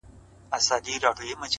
تا څنگه زه ما څنگه ته له ياده وايستلې!